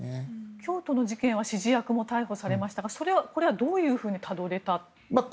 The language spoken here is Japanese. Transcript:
京都の事件は指示役も逮捕されましたがこれはどういうふうにたどれたケースですか？